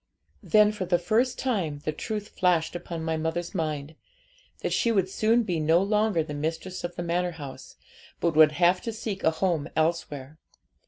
Then for the first time the truth flashed upon my mother's mind, that she would soon be no longer the mistress of the manor house, but would have to seek a home elsewhere.